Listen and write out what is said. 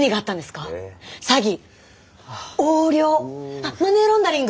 あっマネーロンダリング！